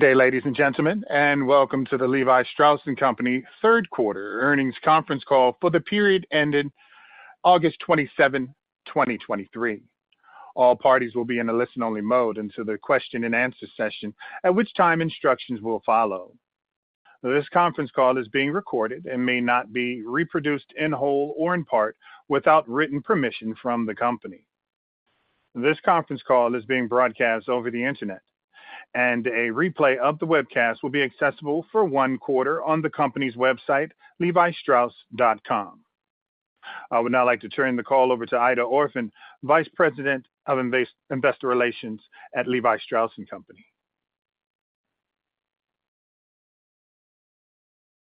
Good day, ladies and gentlemen, and Welcome to the Levi Strauss & Co. Q3 earnings conference call for the period ending August 27, 2023. All parties will be in a listen-only mode until the question-and-answer session, at which time instructions will follow. This conference call is being recorded and may not be reproduced in whole or in part without written permission from the company. This conference call is being broadcast over the Internet, and a replay of the webcast will be accessible for one quarter on the company's website, levistrauss.com. I would now like to turn the call over to Aida Orphan, Vice President of Investor Relations at Levi Strauss & Co.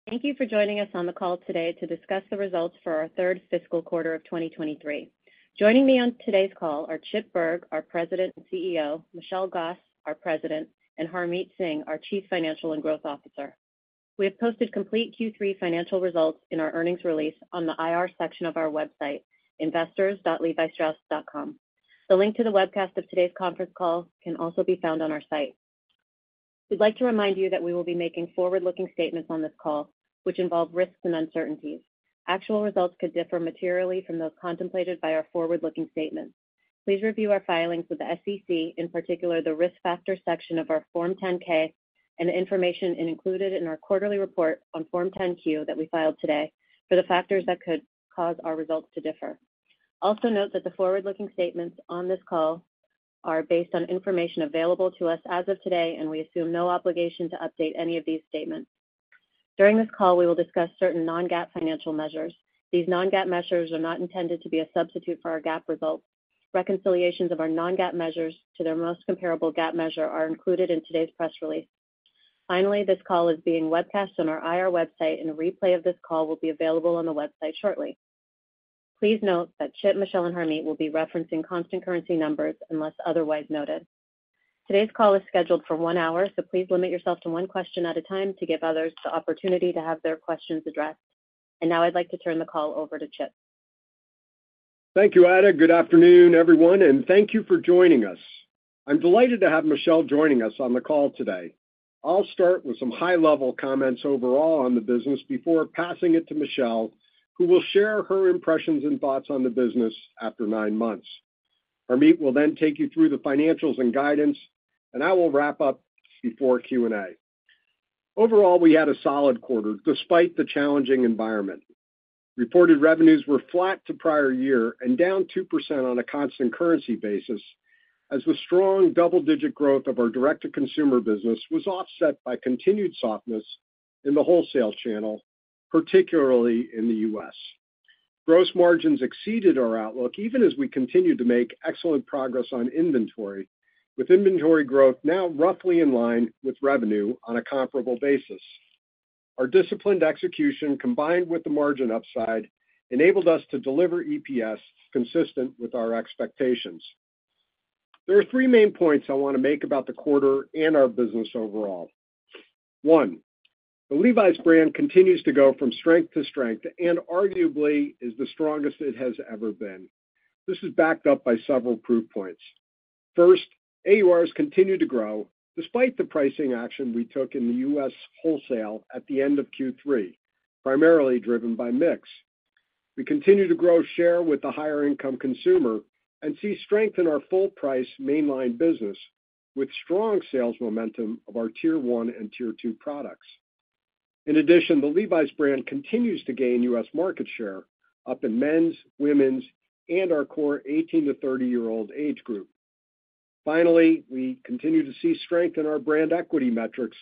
Thank you for joining us on the call today to discuss the results for our third fiscal quarter of 2023. Joining me on today's call are Chip Bergh, our President and CEO, Michelle Gass, our President, and Harmit Singh, our Chief Financial and Growth Officer. We have posted complete Q3 financial results in our earnings release on the IR section of our website, investors.levistrauss.com. The link to the webcast of today's conference call can also be found on our site. We'd like to remind you that we will be making forward-looking statements on this call, which involve risks and uncertainties. Actual results could differ materially from those contemplated by our forward-looking statements. Please review our filings with the SEC, in particular, the risk factors section of our Form 10-K and the information included in our quarterly report on Form 10-Q that we filed today, for the factors that could cause our results to differ. Also, note that the forward-looking statements on this call are based on information available to us as of today, and we assume no obligation to update any of these statements. During this call, we will discuss certain non-GAAP financial measures. These non-GAAP measures are not intended to be a substitute for our GAAP results. Reconciliations of our non-GAAP measures to their most comparable GAAP measure are included in today's press release. Finally, this call is being webcast on our IR website, and a replay of this call will be available on the website shortly. Please note that Chip, Michelle, and Harmit will be referencing constant currency numbers unless otherwise noted. Today's call is scheduled for one hour, so please limit yourself to one question at a time to give others the opportunity to have their questions addressed. And now I'd like to turn the call over to Chip. Thank you, Aida. Good afternoon, everyone, and thank you for joining us. I'm delighted to have Michelle joining us on the call today. I'll start with some high-level comments overall on the business before passing it to Michelle, who will share her impressions and thoughts on the business after nine months. Harmit will then take you through the financials and guidance, and I will wrap up before Q&A. Overall, we had a solid quarter despite the challenging environment. Reported revenues were flat to prior year and down 2% on a constant currency basis, as the strong double-digit growth of our direct-to-consumer business was offset by continued softness in the wholesale channel, particularly in the U.S. Gross margins exceeded our outlook, even as we continued to make excellent progress on inventory, with inventory growth now roughly in line with revenue on a comparable basis. Our disciplined execution, combined with the margin upside, enabled us to deliver EPS consistent with our expectations. There are three main points I want to make about the quarter and our business overall. One, the Levi's brand continues to go from strength to strength and arguably is the strongest it has ever been. This is backed up by several proof points. First, AURs continued to grow despite the pricing action we took in the U.S. wholesale at the end of Q3, primarily driven by mix. We continue to grow share with the higher-income consumer and see strength in our full-price mainline business, with strong sales momentum of our tier one and tier two products. In addition, the Levi's brand continues to gain U.S. market share up in men's, women's, and our core 18- to 30-year-old age group. Finally, we continue to see strength in our brand equity metrics,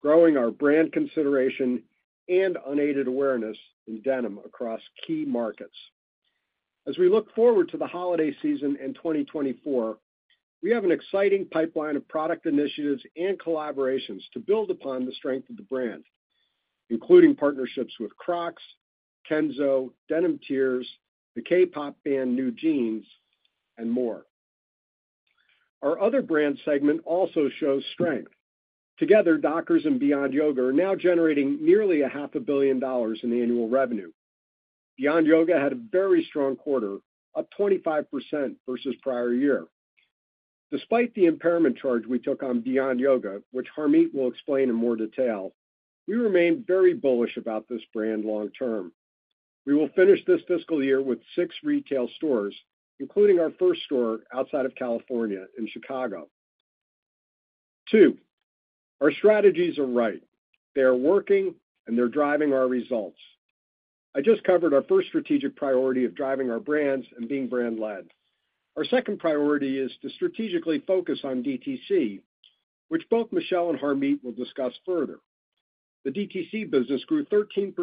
growing our brand consideration and unaided awareness in denim across key markets. As we look forward to the holiday season in 2024, we have an exciting pipeline of product initiatives and collaborations to build upon the strength of the brand, including partnerships with Crocs, KENZO, Denim Tears, the K-pop band NewJeans, and more. Our other brand segment also shows strength. Together, Dockers and Beyond Yoga are now generating nearly $500 million in annual revenue. Beyond Yoga had a very strong quarter, up 25% versus prior year. Despite the impairment charge we took on Beyond Yoga, which Harmit will explain in more detail, we remain very bullish about this brand long term. We will finish this fiscal year with six retail stores, including our first store outside of California in Chicago. 2, our strategies are right. They are working, and they're driving our results. I just covered our first strategic priority of driving our brands and being brand-led. Our second priority is to strategically focus on DTC, which both Michelle and Harmit will discuss further. The DTC business grew 13%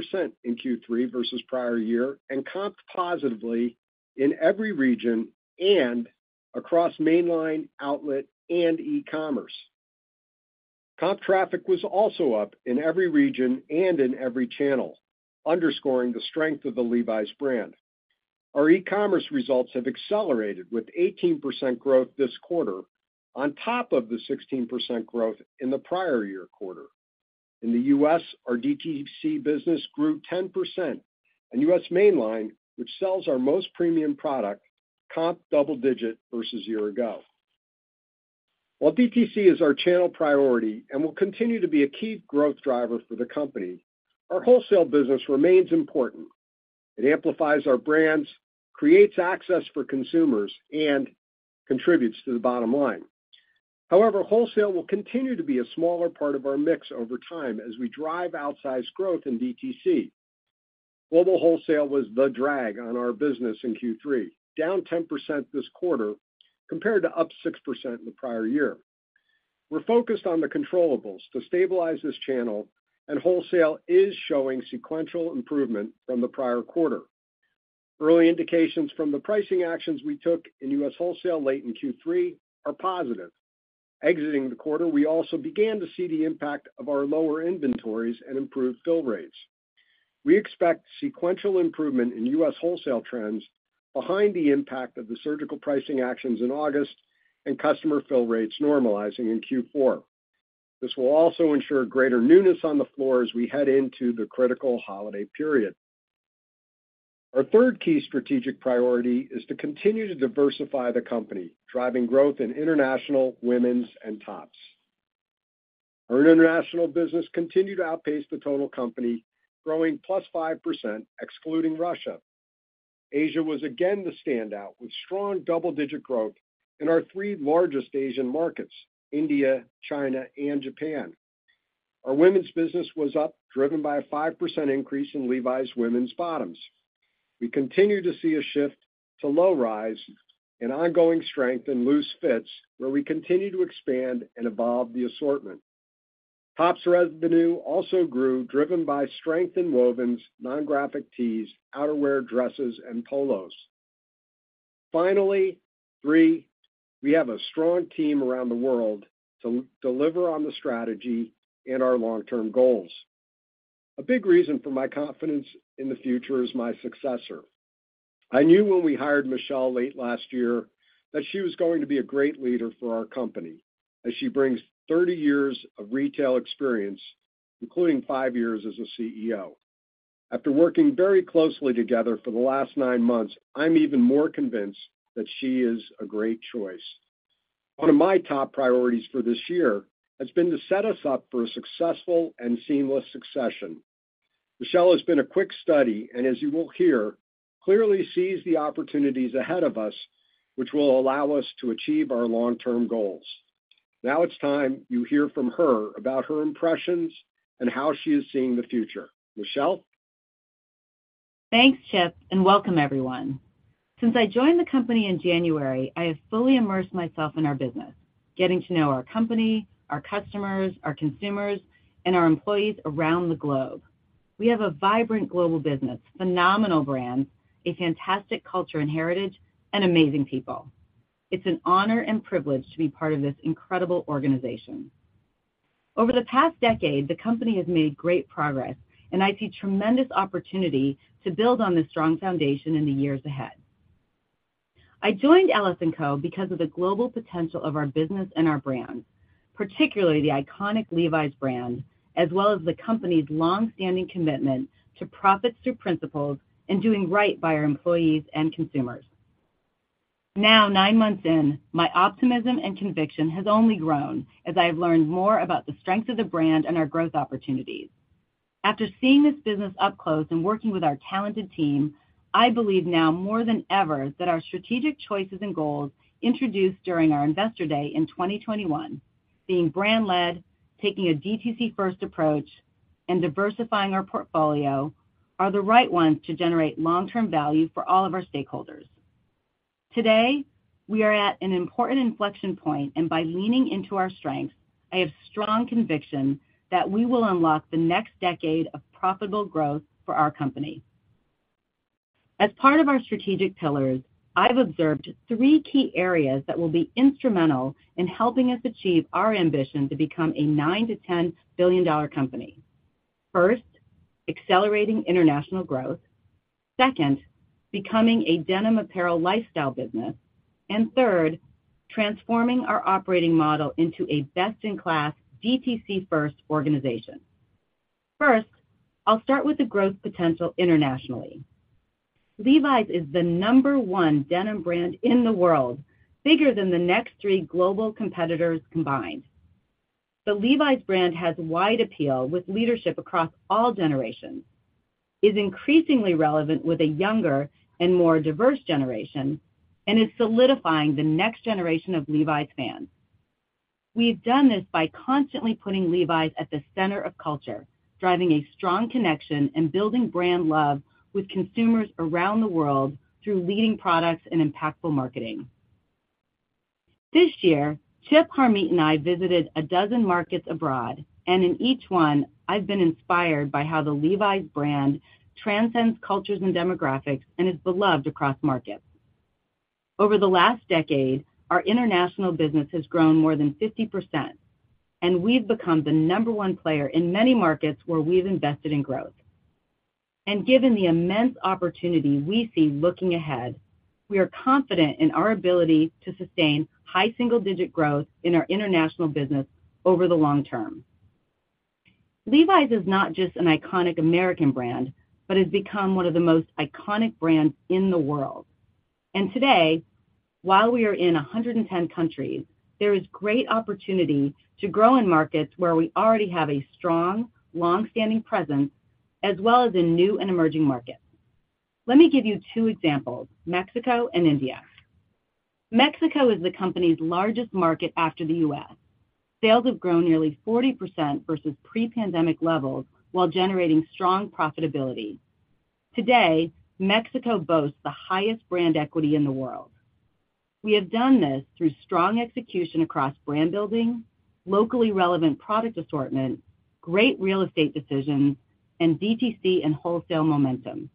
in Q3 versus prior year and comped positively in every region and across mainline, outlet, and e-commerce. Comp traffic was also up in every region and in every channel, underscoring the strength of the Levi's brand. Our e-commerce results have accelerated, with 18% growth this quarter on top of the 16% growth in the prior year quarter.... In the U.S., our DTC business grew 10%, and U.S. mainline, which sells our most premium product, comp double-digit versus year-ago. While DTC is our channel priority and will continue to be a key growth driver for the company, our wholesale business remains important. It amplifies our brands, creates access for consumers, and contributes to the bottom line. However, wholesale will continue to be a smaller part of our mix over time as we drive outsized growth in DTC. Global wholesale was the drag on our business in Q3, down 10% this quarter, compared to up 6% in the prior year. We're focused on the controllables to stabilize this channel, and wholesale is showing sequential improvement from the prior quarter. Early indications from the pricing actions we took in U.S. wholesale late in Q3 are positive. Exiting the quarter, we also began to see the impact of our lower inventories and improved fill rates. We expect sequential improvement in U.S. wholesale trends behind the impact of the surgical pricing actions in August and customer fill rates normalizing in Q4. This will also ensure greater newness on the floor as we head into the critical holiday period. Our third key strategic priority is to continue to diversify the company, driving growth in international, women's, and tops. Our international business continued to outpace the total company, growing +5%, excluding Russia. Asia was again the standout, with strong double-digit growth in our three largest Asian markets, India, China, and Japan. Our women's business was up, driven by a 5% increase in Levi's women's bottoms. We continue to see a shift to low rise and ongoing strength in loose fits, where we continue to expand and evolve the assortment. Tops revenue also grew, driven by strength in wovens, non-graphic tees, outerwear, dresses, and polos. Finally, 3, we have a strong team around the world to deliver on the strategy and our long-term goals. A big reason for my confidence in the future is my successor. I knew when we hired Michelle late last year, that she was going to be a great leader for our company, as she brings 30 years of retail experience, including 5 years as a CEO. After working very closely together for the last 9 months, I'm even more convinced that she is a great choice. One of my top priorities for this year has been to set us up for a successful and seamless succession. Michelle has been a quick study, and as you will hear, clearly sees the opportunities ahead of us, which will allow us to achieve our long-term goals. Now it's time you hear from her about her impressions and how she is seeing the future. Michelle? Thanks, Chip, and welcome everyone. Since I joined the company in January, I have fully immersed myself in our business, getting to know our company, our customers, our consumers, and our employees around the globe. We have a vibrant global business, phenomenal brands, a fantastic culture and heritage, and amazing people. It's an honor and privilege to be part of this incredible organization. Over the past decade, the company has made great progress, and I see tremendous opportunity to build on this strong foundation in the years ahead. I joined Levi Strauss & Co. because of the global potential of our business and our brands, particularly the iconic Levi's brand, as well as the company's long-standing commitment to profits through principles and doing right by our employees and consumers. Now, nine months in, my optimism and conviction has only grown as I have learned more about the strength of the brand and our growth opportunities. After seeing this business up close and working with our talented team, I believe now more than ever, that our strategic choices and goals introduced during our investor day in 2021, being brand led, taking a DTC first approach, and diversifying our portfolio, are the right ones to generate long-term value for all of our stakeholders. Today, we are at an important inflection point, and by leaning into our strengths, I have strong conviction that we will unlock the next decade of profitable growth for our company. As part of our strategic pillars, I've observed three key areas that will be instrumental in helping us achieve our ambition to become a $9-$10 billion company. First, accelerating international growth. Second, becoming a denim apparel lifestyle business. And third, transforming our operating model into a best-in-class, DTC first organization. First, I'll start with the growth potential internationally. Levi's is the number one denim brand in the world, bigger than the next three global competitors combined. The Levi's brand has wide appeal, with leadership across all generations, is increasingly relevant with a younger and more diverse generation, and is solidifying the next generation of Levi's fans. We've done this by constantly putting Levi's at the center of culture, driving a strong connection and building brand love with consumers around the world through leading products and impactful marketing. This year, Chip, Harmit, and I visited a dozen markets abroad, and in each one, I've been inspired by how the Levi's brand transcends cultures and demographics and is beloved across markets. Over the last decade, our international business has grown more than 50%, and we've become the number one player in many markets where we've invested in growth.... And given the immense opportunity we see looking ahead, we are confident in our ability to sustain high single-digit growth in our international business over the long term. Levi's is not just an iconic American brand, but has become one of the most iconic brands in the world. And today, while we are in 110 countries, there is great opportunity to grow in markets where we already have a strong, long-standing presence, as well as in new and emerging markets. Let me give you two examples, Mexico and India. Mexico is the company's largest market after the U.S. Sales have grown nearly 40% versus pre-pandemic levels, while generating strong profitability. Today, Mexico boasts the highest brand equity in the world. We have done this through strong execution across brand building, locally relevant product assortment, great real estate decisions, and DTC and wholesale momentum.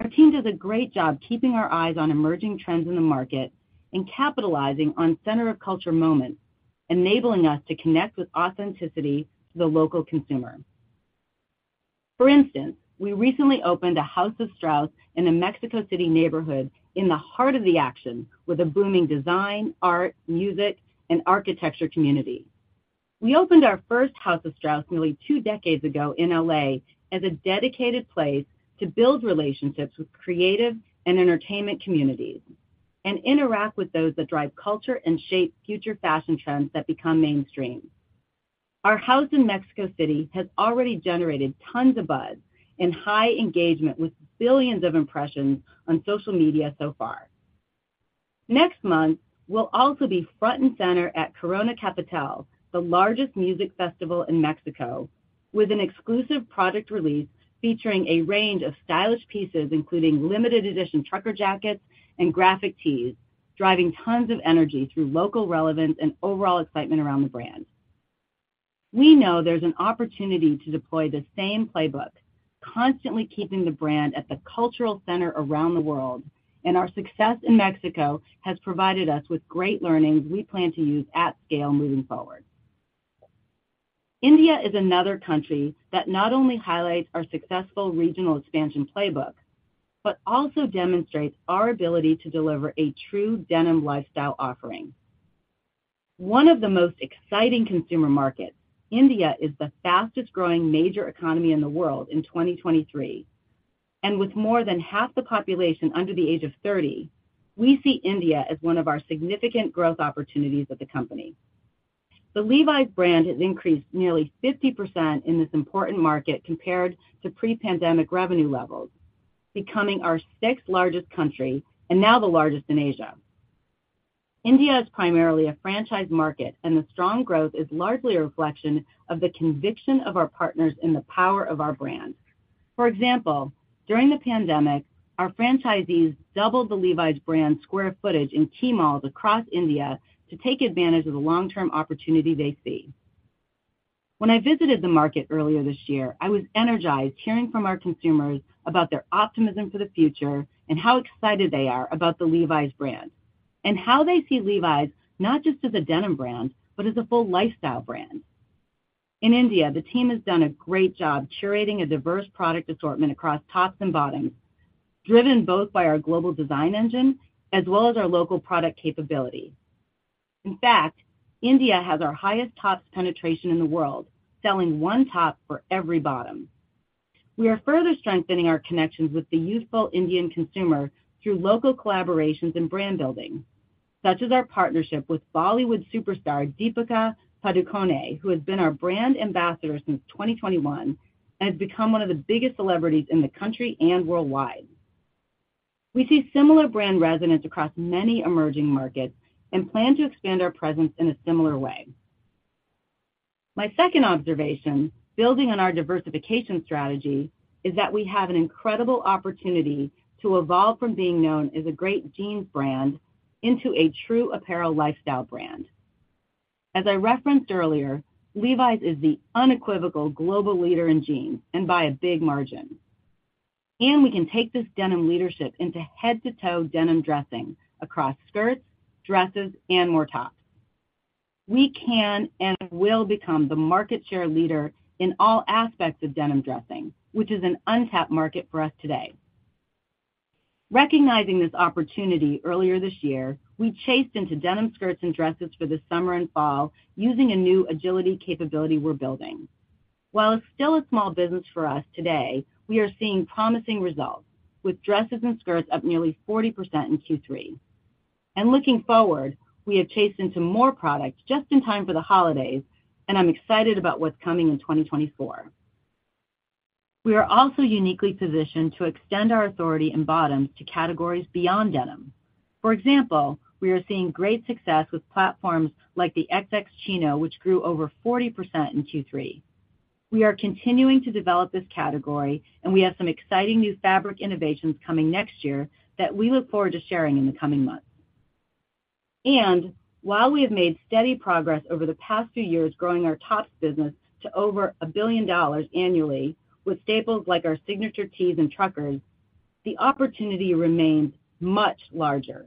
Our team does a great job keeping our eyes on emerging trends in the market and capitalizing on center of culture moments, enabling us to connect with authenticity to the local consumer. For instance, we recently opened a House of Strauss in a Mexico City neighborhood in the heart of the action, with a booming design, art, music, and architecture community. We opened our first House of Strauss nearly two decades ago in L.A. as a dedicated place to build relationships with creative and entertainment communities, and interact with those that drive culture and shape future fashion trends that become mainstream. Our house in Mexico City has already generated tons of buzz and high engagement, with billions of impressions on social media so far. Next month, we'll also be front and center at Corona Capital, the largest music festival in Mexico, with an exclusive product release featuring a range of stylish pieces, including limited edition trucker jackets and graphic tees, driving tons of energy through local relevance and overall excitement around the brand. We know there's an opportunity to deploy the same playbook, constantly keeping the brand at the cultural center around the world, and our success in Mexico has provided us with great learnings we plan to use at scale moving forward. India is another country that not only highlights our successful regional expansion playbook, but also demonstrates our ability to deliver a true denim lifestyle offering. One of the most exciting consumer markets, India, is the fastest-growing major economy in the world in 2023. With more than half the population under the age of thirty, we see India as one of our significant growth opportunities of the company. The Levi's brand has increased nearly 50% in this important market compared to pre-pandemic revenue levels, becoming our sixth-largest country and now the largest in Asia. India is primarily a franchise market, and the strong growth is largely a reflection of the conviction of our partners in the power of our brand. For example, during the pandemic, our franchisees doubled the Levi's brand square footage in T malls across India to take advantage of the long-term opportunity they see. When I visited the market earlier this year, I was energized hearing from our consumers about their optimism for the future and how excited they are about the Levi's brand, and how they see Levi's not just as a denim brand, but as a full lifestyle brand. In India, the team has done a great job curating a diverse product assortment across tops and bottoms, driven both by our global design engine as well as our local product capability. In fact, India has our highest tops penetration in the world, selling one top for every bottom. We are further strengthening our connections with the youthful Indian consumer through local collaborations and brand building, such as our partnership with Bollywood superstar, Deepika Padukone, who has been our brand ambassador since 2021 and has become one of the biggest celebrities in the country and worldwide. We see similar brand resonance across many emerging markets and plan to expand our presence in a similar way. My second observation, building on our diversification strategy, is that we have an incredible opportunity to evolve from being known as a great jeans brand into a true apparel lifestyle brand. As I referenced earlier, Levi's is the unequivocal global leader in jeans, and by a big margin. We can take this denim leadership into head-to-toe denim dressing across skirts, dresses, and more tops. We can and will become the market share leader in all aspects of denim dressing, which is an untapped market for us today. Recognizing this opportunity earlier this year, we chased into denim skirts and dresses for the summer and fall, using a new agility capability we're building. While it's still a small business for us today, we are seeing promising results, with dresses and skirts up nearly 40% in Q3. Looking forward, we have launched into more products just in time for the holidays, and I'm excited about what's coming in 2024. We are also uniquely positioned to extend our authority in bottoms to categories beyond denim. For example, we are seeing great success with platforms like the XX Chino, which grew over 40% in Q3. We are continuing to develop this category, and we have some exciting new fabric innovations coming next year that we look forward to sharing in the coming months. While we have made steady progress over the past few years growing our tops business to over $1 billion annually, with staples like our signature tees and truckers, the opportunity remains much larger...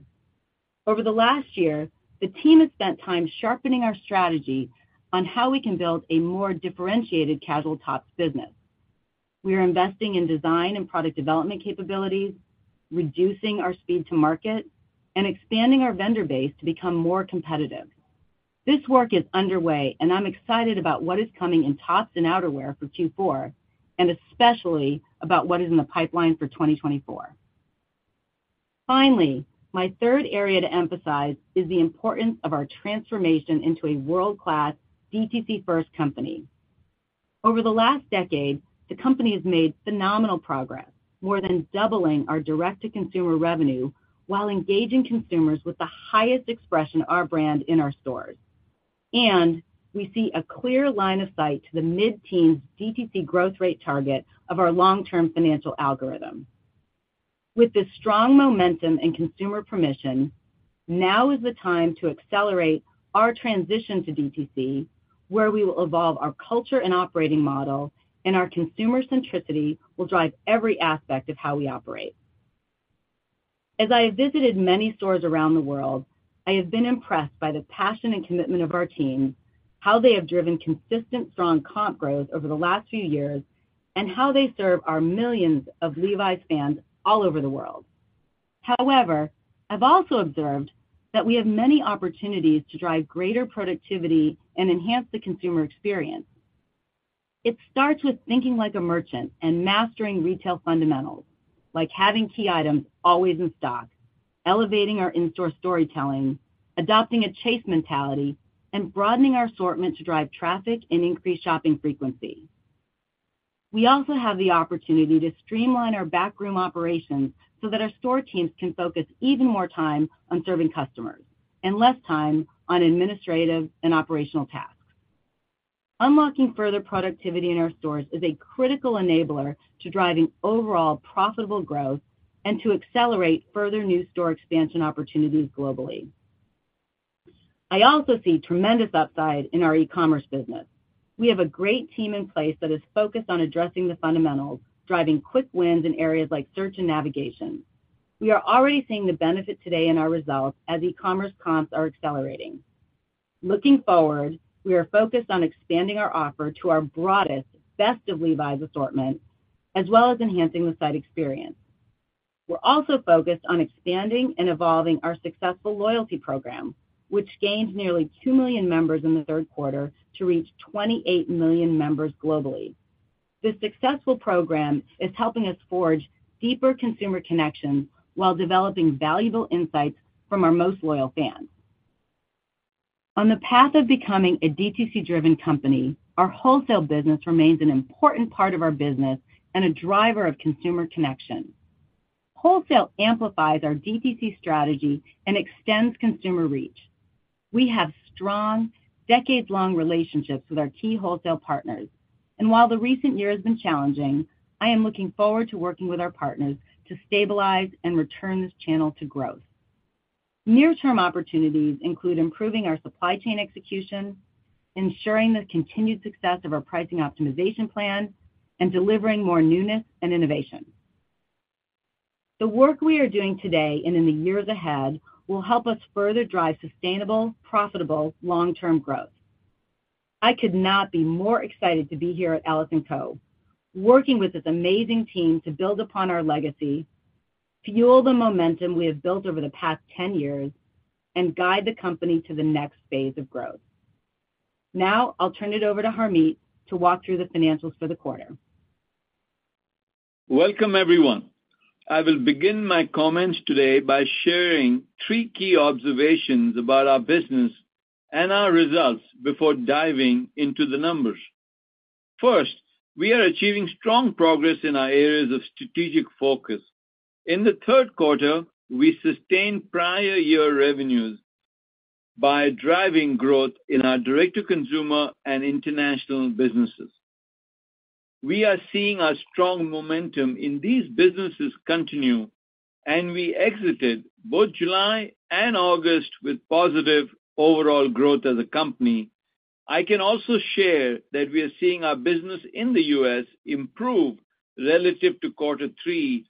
Over the last year, the team has spent time sharpening our strategy on how we can build a more differentiated casual tops business. We are investing in design and product development capabilities, reducing our speed to market, and expanding our vendor base to become more competitive. This work is underway, and I'm excited about what is coming in tops and outerwear for Q4, and especially about what is in the pipeline for 2024. Finally, my third area to emphasize is the importance of our transformation into a world-class DTC-first company. Over the last decade, the company has made phenomenal progress, more than doubling our direct-to-consumer revenue while engaging consumers with the highest expression of our brand in our stores. We see a clear line of sight to the mid-teen DTC growth rate target of our long-term financial algorithm. With this strong momentum and consumer permission, now is the time to accelerate our transition to DTC, where we will evolve our culture and operating model, and our consumer centricity will drive every aspect of how we operate. As I have visited many stores around the world, I have been impressed by the passion and commitment of our team, how they have driven consistent, strong comp growth over the last few years, and how they serve our millions of Levi's fans all over the world. However, I've also observed that we have many opportunities to drive greater productivity and enhance the consumer experience. It starts with thinking like a merchant and mastering retail fundamentals, like having key items always in stock, elevating our in-store storytelling, adopting a chase mentality, and broadening our assortment to drive traffic and increase shopping frequency. We also have the opportunity to streamline our backroom operations so that our store teams can focus even more time on serving customers and less time on administrative and operational tasks. Unlocking further productivity in our stores is a critical enabler to driving overall profitable growth and to accelerate further new store expansion opportunities globally. I also see tremendous upside in our e-commerce business. We have a great team in place that is focused on addressing the fundamentals, driving quick wins in areas like search and navigation. We are already seeing the benefit today in our results as e-commerce comps are accelerating. Looking forward, we are focused on expanding our offer to our broadest best of Levi's assortment, as well as enhancing the site experience. We're also focused on expanding and evolving our successful loyalty program, which gained nearly 2 million members in the Q3 to reach 28 million members globally. This successful program is helping us forge deeper consumer connections while developing valuable insights from our most loyal fans. On the path of becoming a DTC-driven company, our wholesale business remains an important part of our business and a driver of consumer connection. Wholesale amplifies our DTC strategy and extends consumer reach. We have strong, decades-long relationships with our key wholesale partners, and while the recent year has been challenging, I am looking forward to working with our partners to stabilize and return this channel to growth. Near-term opportunities include improving our supply chain execution, ensuring the continued success of our pricing optimization plan, and delivering more newness and innovation. The work we are doing today and in the years ahead will help us further drive sustainable, profitable, long-term growth. I could not be more excited to be here at Levi Strauss & Co., working with this amazing team to build upon our legacy, fuel the momentum we have built over the past 10 years, and guide the company to the next phase of growth. Now, I'll turn it over to Harmit to walk through the financials for the quarter. Welcome, everyone. I will begin my comments today by sharing three key observations about our business and our results before diving into the numbers. First, we are achieving strong progress in our areas of strategic focus. In the Q3, we sustained prior year revenues by driving growth in our direct-to-consumer and international businesses. We are seeing our strong momentum in these businesses continue, and we exited both July and August with positive overall growth as a company. I can also share that we are seeing our business in the U.S. improve relative to Q3,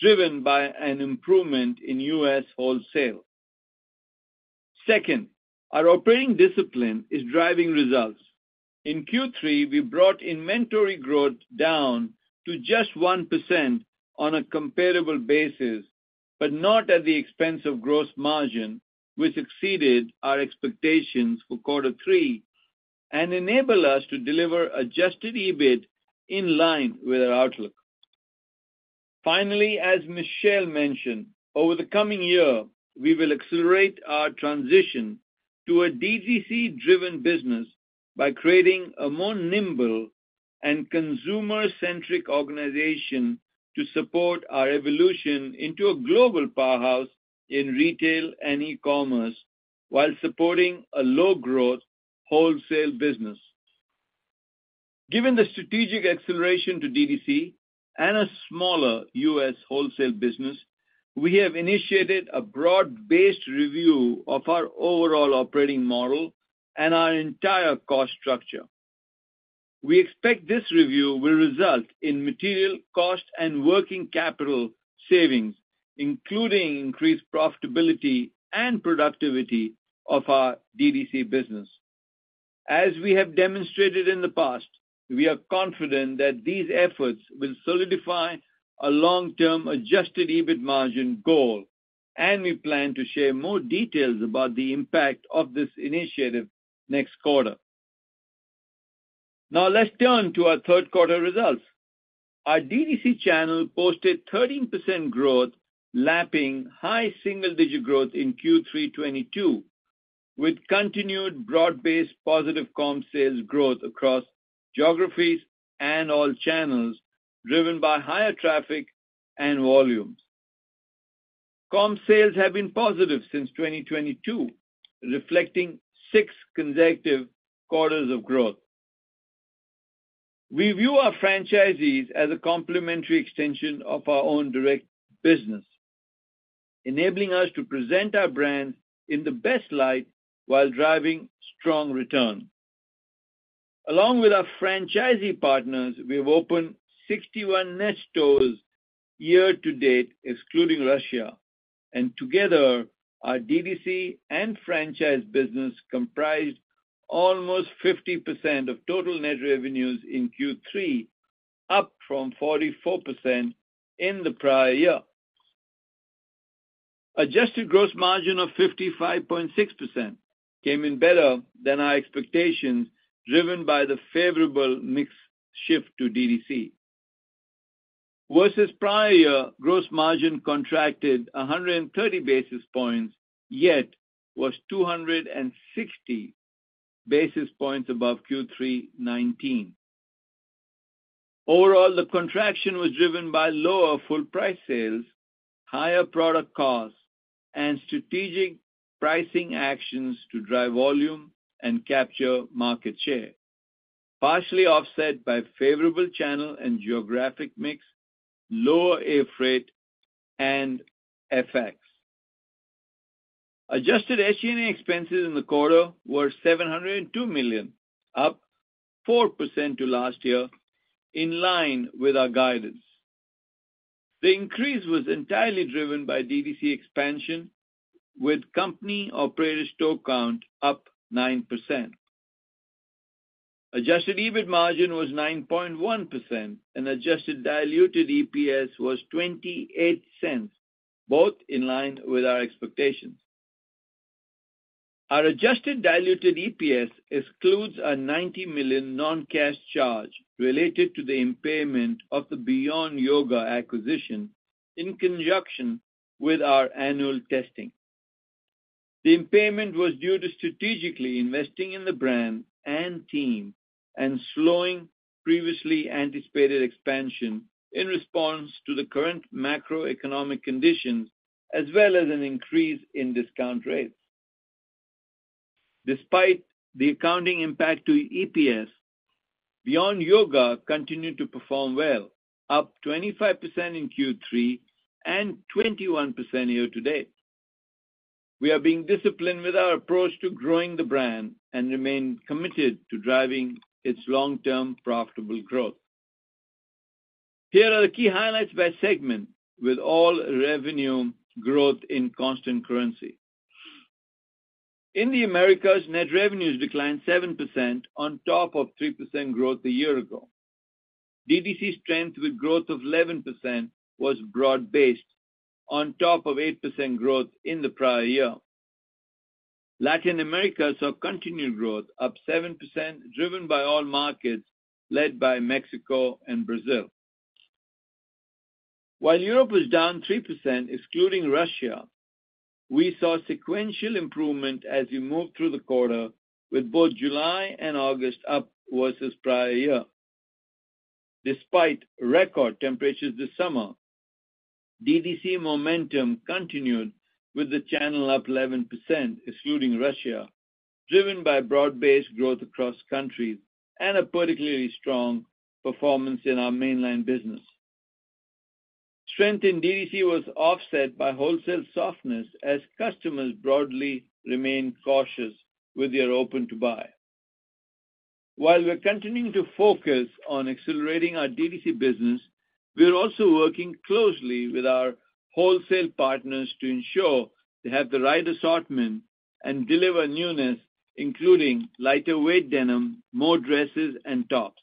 driven by an improvement in U.S. wholesale. Second, our operating discipline is driving results. In Q3, we brought inventory growth down to just 1% on a comparable basis, but not at the expense of gross margin, which exceeded our expectations for quarter three and enabled us to deliver adjusted EBIT in line with our outlook. Finally, as Michelle mentioned, over the coming year, we will accelerate our transition to a DTC-driven business by creating a more nimble and consumer-centric organization to support our evolution into a global powerhouse in retail and e-commerce, while supporting a low-growth wholesale business. Given the strategic acceleration to DTC and a smaller U.S. wholesale business, we have initiated a broad-based review of our overall operating model and our entire cost structure.... We expect this review will result in material cost and working capital savings, including increased profitability and productivity of our DDC business. As we have demonstrated in the past, we are confident that these efforts will solidify a long-term adjusted EBIT margin goal, and we plan to share more details about the impact of this initiative next quarter. Now, let's turn to our Q3 results. Our DTC channel posted 13% growth, lapping high single-digit growth in Q3 2022, with continued broad-based positive comp sales growth across geographies and all channels, driven by higher traffic and volumes. Comp sales have been positive since 2022, reflecting six consecutive quarters of growth. We view our franchisees as a complementary extension of our own direct business, enabling us to present our brand in the best light while driving strong return. Along with our franchisee partners, we have opened 61 net stores year to date, excluding Russia, and together, our DTC and franchise business comprised almost 50% of total net revenues in Q3, up from 44% in the prior year. Adjusted gross margin of 55.6% came in better than our expectations, driven by the favorable mix shift to DTC. Versus prior year, gross margin contracted 130 basis points, yet was 260 basis points above Q3 2019. Overall, the contraction was driven by lower full price sales, higher product costs, and strategic pricing actions to drive volume and capture market share, partially offset by favorable channel and geographic mix, lower air freight and FX. Adjusted SG&A expenses in the quarter were $702 million, up 4% to last year, in line with our guidance. The increase was entirely driven by DTC expansion, with company-operated store count up 9%. Adjusted EBIT margin was 9.1% and adjusted diluted EPS was $0.28, both in line with our expectations. Our adjusted diluted EPS excludes a $90 million non-cash charge related to the impairment of the Beyond Yoga acquisition in conjunction with our annual testing. The impairment was due to strategically investing in the brand and team and slowing previously anticipated expansion in response to the current macroeconomic conditions, as well as an increase in discount rates. Despite the accounting impact to EPS, Beyond Yoga continued to perform well, up 25% in Q3 and 21% year to date. We are being disciplined with our approach to growing the brand and remain committed to driving its long-term profitable growth. Here are the key highlights by segment with all revenue growth in constant currency. In the Americas, net revenues declined 7% on top of 3% growth a year ago. DTC strength with growth of 11% was broad-based on top of 8% growth in the prior year. Latin America saw continued growth, up 7%, driven by all markets, led by Mexico and Brazil. While Europe was down 3%, excluding Russia, we saw sequential improvement as we moved through the quarter, with both July and August up versus prior year. Despite record temperatures this summer, DTC momentum continued, with the channel up 11%, excluding Russia, driven by broad-based growth across countries and a particularly strong performance in our mainline business. Strength in DTC was offset by wholesale softness as customers broadly remained cautious with their open-to buy. While we're continuing to focus on accelerating our DTC business, we are also working closely with our wholesale partners to ensure they have the right assortment and deliver newness, including lighter weight denim, more dresses and tops.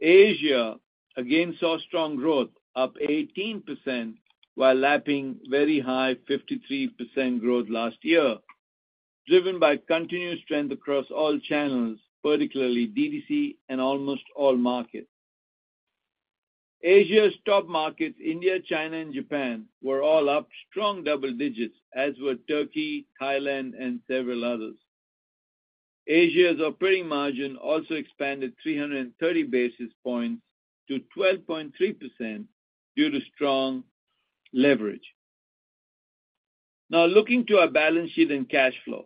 Asia again saw strong growth, up 18%, while lapping very high 53% growth last year, driven by continued strength across all channels, particularly DTC and almost all markets. Asia's top markets, India, China and Japan, were all up strong double digits, as were Turkey, Thailand and several others. Asia's operating margin also expanded 330 basis points to 12.3% due to strong leverage. Now, looking to our balance sheet and cash flow.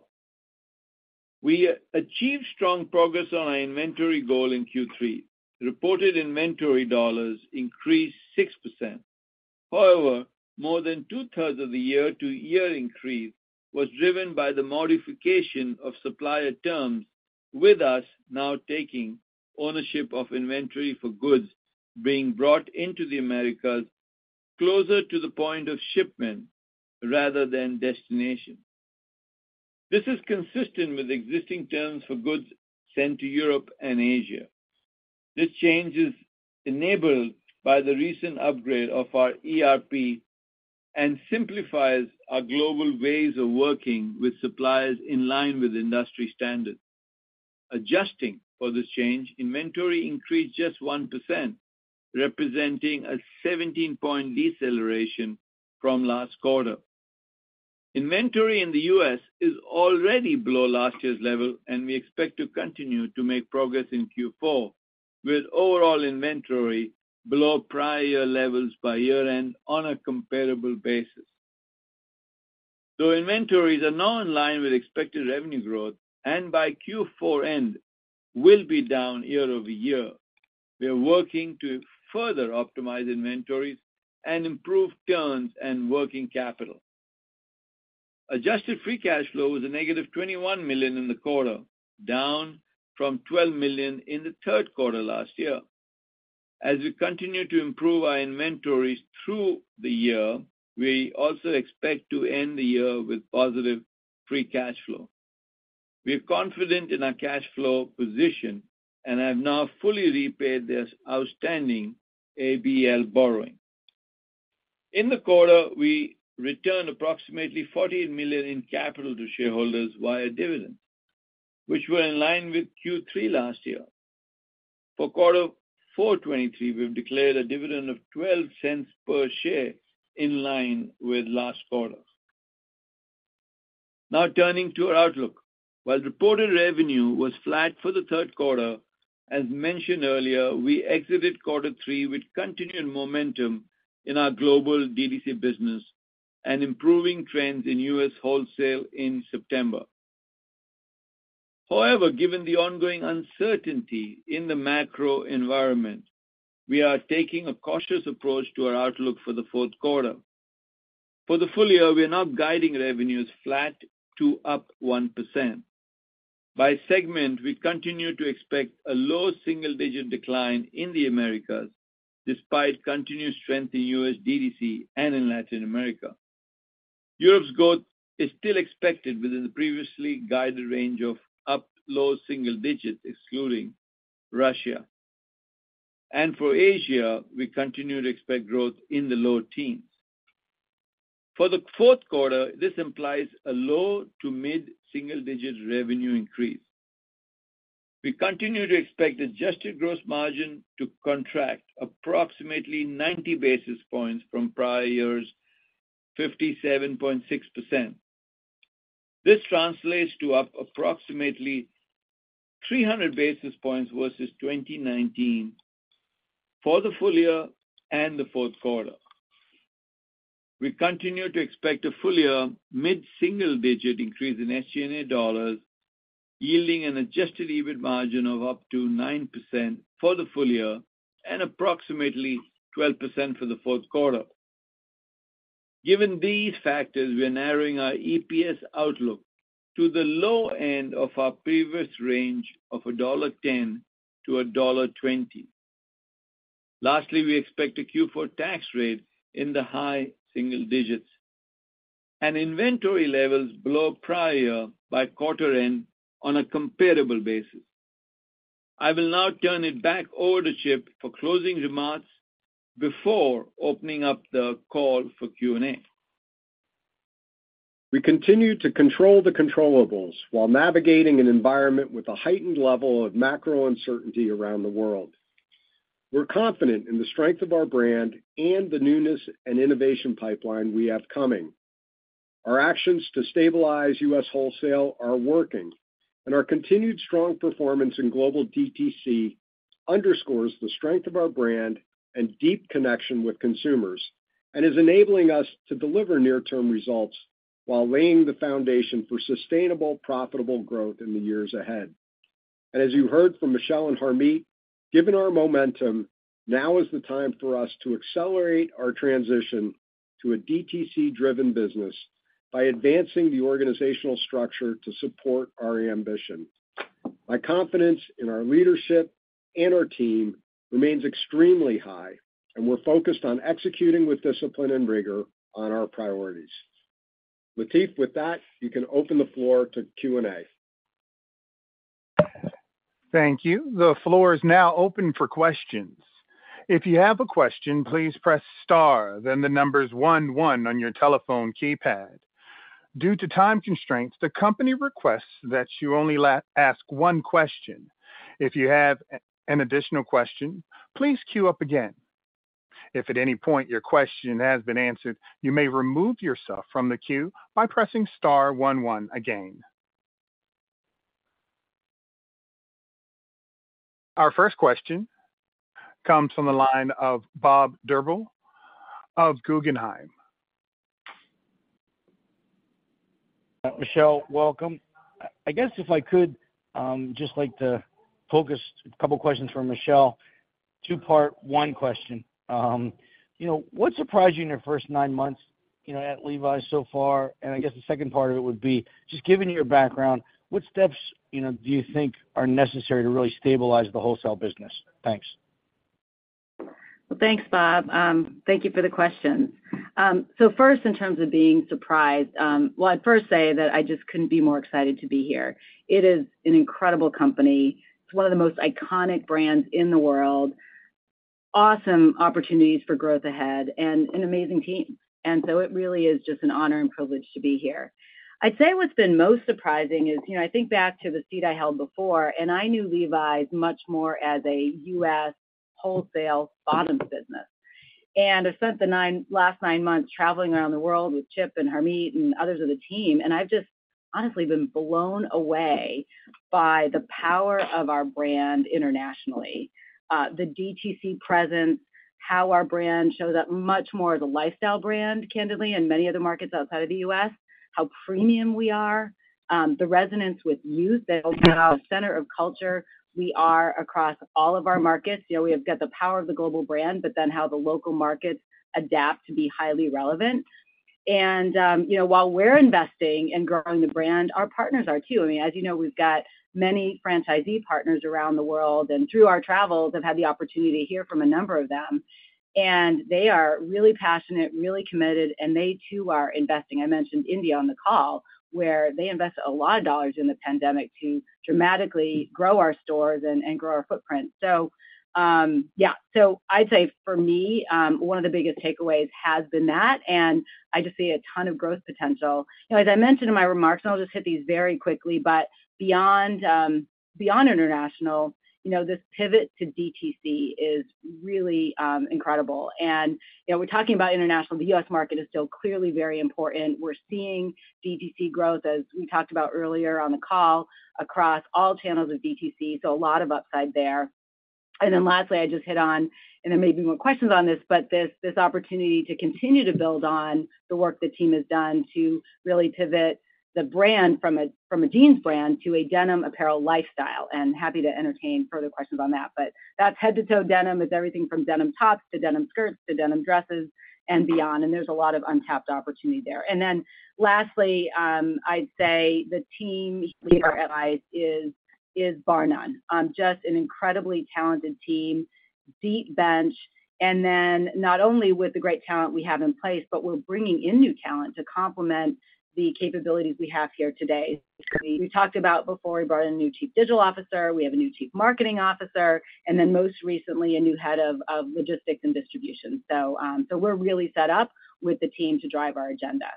We achieved strong progress on our inventory goal in Q3. Reported inventory dollars increased 6%... However, more than two-thirds of the year-to-year increase was driven by the modification of supplier terms, with us now taking ownership of inventory for goods being brought into the Americas closer to the point of shipment rather than destination. This is consistent with existing terms for goods sent to Europe and Asia. This change is enabled by the recent upgrade of our ERP and simplifies our global ways of working with suppliers in line with industry standards. Adjusting for this change, inventory increased just 1%, representing a 17-point deceleration from last quarter. Inventory in the U.S. is already below last year's level, and we expect to continue to make progress in Q4, with overall inventory below prior levels by year-end on a comparable basis. So inventories are now in line with expected revenue growth, and by Q4 end, will be down year-over-year. We are working to further optimize inventories and improve turns and working capital. Adjusted free cash flow was -$21 million in the quarter, down from $12 million in the Q3 last year. As we continue to improve our inventories through the year, we also expect to end the year with positive free cash flow. We are confident in our cash flow position and have now fully repaid this outstanding ABL borrowing. In the quarter, we returned approximately $48 million in capital to shareholders via dividends, which were in line with Q3 last year. For quarter four 2023, we've declared a dividend of $0.12 per share, in line with last quarter. Now turning to our outlook. While reported revenue was flat for the Q3, as mentioned earlier, we exited quarter three with continued momentum in our global DTC business and improving trends in U.S. wholesale in September. However, given the ongoing uncertainty in the macro environment, we are taking a cautious approach to our outlook for the Q4. For the full year, we are now guiding revenues flat to up 1%. By segment, we continue to expect a low single-digit decline in the Americas, despite continued strength in U.S. DTC and in Latin America. Europe's growth is still expected within the previously guided range of up low single digits, excluding Russia. For Asia, we continue to expect growth in the low teens. For the Q4, this implies a low to mid single-digit revenue increase. We continue to expect adjusted gross margin to contract approximately 90 basis points from prior year's 57.6%. This translates to up approximately 300 basis points versus 2019 for the full year and the Q4. We continue to expect a full year mid-single-digit increase in SG&A dollars, yielding an adjusted EBIT margin of up to 9% for the full year and approximately 12% for the Q4. Given these factors, we are narrowing our EPS outlook to the low end of our previous range of $1.10-$1.20. Lastly, we expect a Q4 tax rate in the high single digits and inventory levels below prior year by quarter end on a comparable basis. I will now turn it back over to Chip for closing remarks before opening up the call for Q&A. We continue to control the controllables while navigating an environment with a heightened level of macro uncertainty around the world. We're confident in the strength of our brand and the newness and innovation pipeline we have coming. Our actions to stabilize U.S. wholesale are working, and our continued strong performance in global DTC underscores the strength of our brand and deep connection with consumers, and is enabling us to deliver near-term results while laying the foundation for sustainable, profitable growth in the years ahead. As you heard from Michelle and Harmit, given our momentum, now is the time for us to accelerate our transition to a DTC-driven business by advancing the organizational structure to support our ambition. My confidence in our leadership and our team remains extremely high, and we're focused on executing with discipline and rigor on our priorities. Latif, with that, you can open the floor to Q&A. Thank you. The floor is now open for questions. If you have a question, please press star, then the numbers one, one on your telephone keypad. Due to time constraints, the company requests that you only ask one question. If you have an additional question, please queue up again. If at any point your question has been answered, you may remove yourself from the queue by pressing star one, one again. Our first question comes from the line of Bob Drbul of Guggenheim.... Michelle, welcome. I guess if I could just like to focus a couple questions for Michelle. Two-part, one question. You know, what surprised you in your first nine months, you know, at Levi's so far? And I guess the second part of it would be, just given your background, what steps, you know, do you think are necessary to really stabilize the wholesale business? Thanks. Well, thanks, Bob. Thank you for the question. So first, in terms of being surprised, well, I'd first say that I just couldn't be more excited to be here. It is an incredible company. It's one of the most iconic brands in the world, awesome opportunities for growth ahead, and an amazing team. And so it really is just an honor and privilege to be here. I'd say what's been most surprising is, you know, I think back to the seat I held before, and I knew Levi's much more as a U.S. wholesale bottoms business. And I've spent the last nine months traveling around the world with Chip and Harmit and others of the team, and I've just honestly been blown away by the power of our brand internationally. The DTC presence, how our brand shows up much more as a lifestyle brand, candidly, in many of the markets outside of the U.S., how premium we are, the resonance with youth, that the center of culture we are across all of our markets. You know, we have got the power of the global brand, but then how the local markets adapt to be highly relevant. And, you know, while we're investing in growing the brand, our partners are too. I mean, as you know, we've got many franchisee partners around the world, and through our travels, I've had the opportunity to hear from a number of them. And they are really passionate, really committed, and they too are investing. I mentioned India on the call, where they invested a lot of dollars in the pandemic to dramatically grow our stores and grow our footprint. So, yeah. So I'd say for me, one of the biggest takeaways has been that, and I just see a ton of growth potential. You know, as I mentioned in my remarks, and I'll just hit these very quickly, but beyond international, you know, this pivot to DTC is really incredible. And, you know, we're talking about international, the U.S. market is still clearly very important. We're seeing DTC growth, as we talked about earlier on the call, across all channels of DTC, so a lot of upside there. And then lastly, I just hit on, and there may be more questions on this, but this opportunity to continue to build on the work the team has done to really pivot the brand from a jeans brand to a denim apparel lifestyle, and happy to entertain further questions on that. That head-to-toe denim is everything from denim tops, to denim skirts, to denim dresses, and beyond. There's a lot of untapped opportunity there. Then lastly, I'd say the team here at Levi's is bar none. Just an incredibly talented team, deep bench, and then not only with the great talent we have in place, but we're bringing in new talent to complement the capabilities we have here today. We talked about before, we brought in a new chief digital officer, we have a new chief marketing officer, and then most recently, a new head of logistics and distribution. So we're really set up with the team to drive our agenda.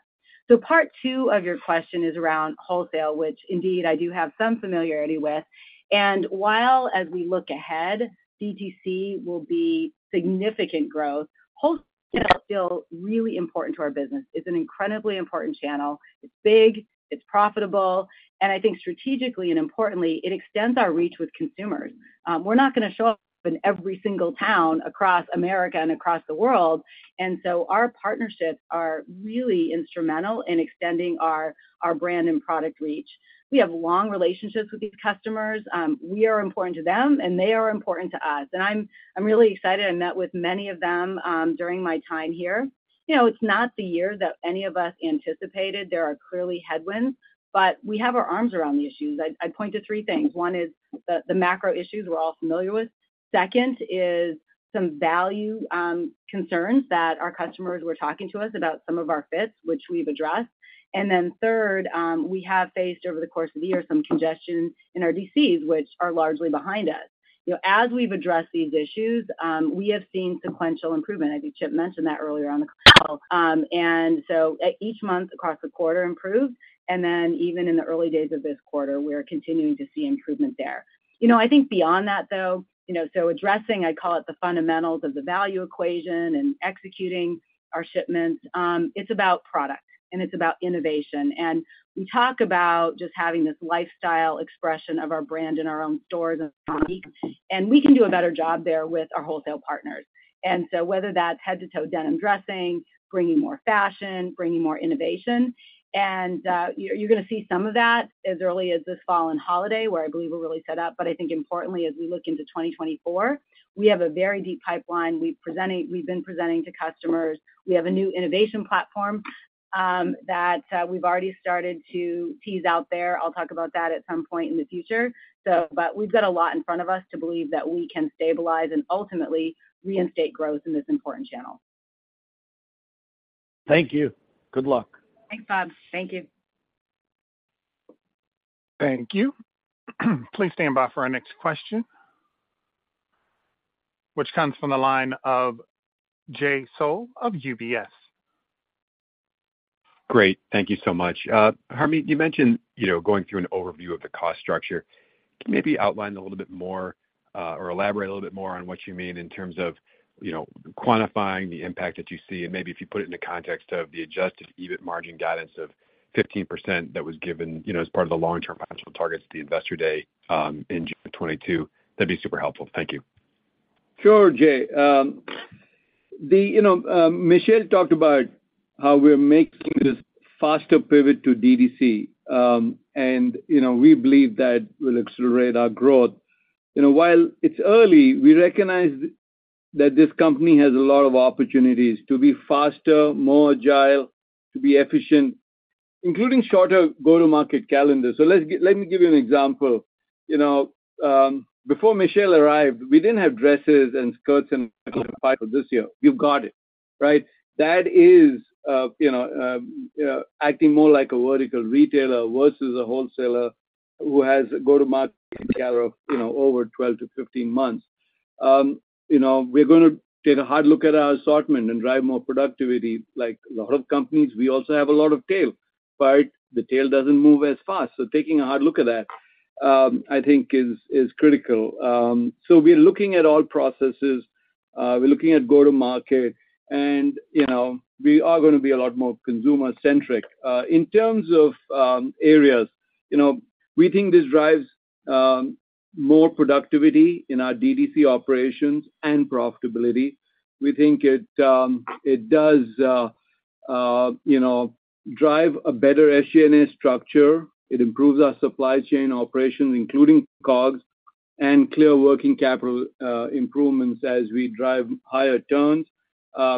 Part two of your question is around wholesale, which indeed I do have some familiarity with. And while as we look ahead, DTC will be significant growth, wholesale is still really important to our business. It's an incredibly important channel. It's big, it's profitable, and I think strategically and importantly, it extends our reach with consumers. We're not gonna show up in every single town across America and across the world, and so our partnerships are really instrumental in extending our brand and product reach. We have long relationships with these customers. We are important to them, and they are important to us. And I'm really excited. I met with many of them during my time here. You know, it's not the year that any of us anticipated. There are clearly headwinds, but we have our arms around the issues. I'd point to three things. One is the macro issues we're all familiar with. Second is some value concerns that our customers were talking to us about some of our fits, which we've addressed. And then third, we have faced, over the course of the year, some congestion in our DCs, which are largely behind us. You know, as we've addressed these issues, we have seen sequential improvement. I think Chip mentioned that earlier on the call. And so each month across the quarter improved, and then even in the early days of this quarter, we're continuing to see improvement there. You know, I think beyond that, though, you know, so addressing, I call it the fundamentals of the value equation and executing our shipments, it's about product, and it's about innovation. And we talk about just having this lifestyle expression of our brand in our own stores and we can do a better job there with our wholesale partners. And so whether that's head-to-toe denim dressing, bringing more fashion, bringing more innovation, and you're gonna see some of that as early as this fall and holiday, where I believe we're really set up. But I think importantly, as we look into 2024, we have a very deep pipeline we've been presenting to customers. We have a new innovation platform that we've already started to tease out there. I'll talk about that at some point in the future. So but we've got a lot in front of us to believe that we can stabilize and ultimately reinstate growth in this important channel. Thank you. Good luck. Thanks, Bob. Thank you. Thank you. Please stand by for our next question, which comes from the line of Jay Sole of UBS. Great. Thank you so much. Harmit, you mentioned, you know, going through an overview of the cost structure. Can you maybe outline a little bit more, or elaborate a little bit more on what you mean in terms of, you know, quantifying the impact that you see? And maybe if you put it in the context of the adjusted EBIT margin guidance of 15% that was given, you know, as part of the long-term financial targets at the Investor Day, in June of 2022, that'd be super helpful. Thank you. Sure, Jay. The, you know, Michelle talked about how we're making this faster pivot to DTC. And, you know, we believe that will accelerate our growth. You know, while it's early, we recognize that this company has a lot of opportunities to be faster, more agile, to be efficient, including shorter go-to-market calendar. So let me give you an example. You know, before Michelle arrived, we didn't have dresses and skirts and this year. We've got it, right? That is, you know, acting more like a vertical retailer versus a wholesaler who has a go-to-market calendar of, you know, over 12-15 months. You know, we're gonna take a hard look at our assortment and drive more productivity. Like a lot of companies, we also have a lot of tail, but the tail doesn't move as fast. Taking a hard look at that, I think is critical. We're looking at all processes, we're looking at go-to-market, and, you know, we are gonna be a lot more consumer-centric. In terms of areas, you know, we think this drives more productivity in our DTC operations and profitability. We think it does, you know, drive a better SG&A structure. It improves our supply chain operations, including COGS and clear working capital improvements as we drive higher turns.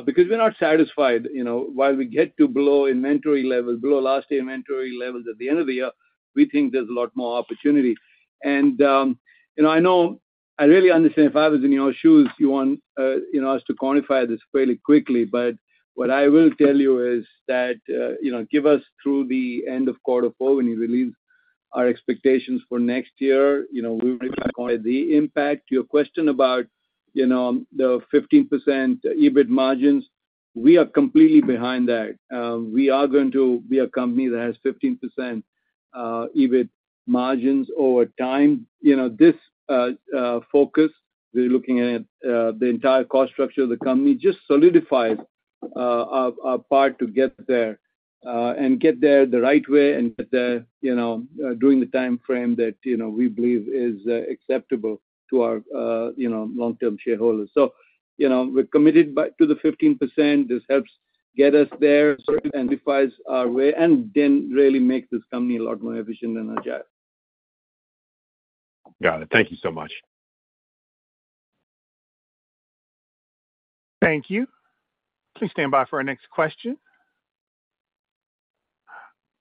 Because we're not satisfied, you know, while we get to below inventory levels, below last year inventory levels at the end of the year, we think there's a lot more opportunity. You know, I know-- I really understand if I was in your shoes, you want, you know, us to quantify this fairly quickly. What I will tell you is that, you know, give us through the end of quarter four, when we release our expectations for next year, you know, we require the impact. To your question about, you know, the 15% EBIT margins, we are completely behind that. We are going to be a company that has 15% EBIT margins over time. You know, this focus, we're looking at the entire cost structure of the company, just solidifies our part to get there, and get there the right way and get there, you know, during the time frame that, you know, we believe is acceptable to our, you know, long-term shareholders. You know, we're committed to the 15%. This helps get us there, sort of amplifies our way, and then really make this company a lot more efficient and agile. Got it. Thank you so much. Thank you. Please stand by for our next question.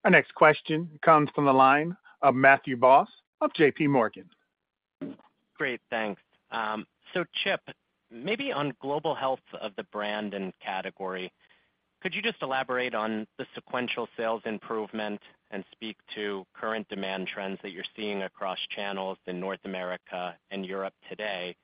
Our next question comes from the line of Matthew Boss of JP Morgan. Great, thanks. So Chip, maybe on global health of the brand and category, could you just elaborate on the sequential sales improvement and speak to current demand trends that you're seeing across channels in North America and Europe today?